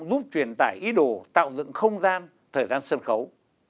giúp truyền tải ý đồ tạo dựng không gian thời gian sân khấu